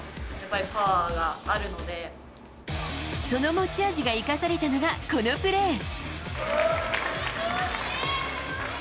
その持ち味が生かされたのがこのプレー。